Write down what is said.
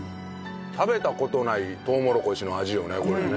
食べた事ないとうもろこしの味よねこれね。